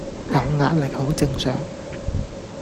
有壓力好正常